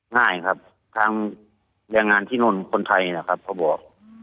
ง่ายครับทางแรงงานที่นู่นคนไทยนะครับเขาบอก